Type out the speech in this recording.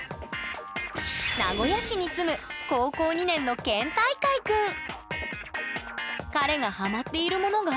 名古屋市に住む彼がハマっているものが？